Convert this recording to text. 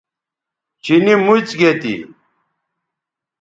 چینی موڅ گے تھی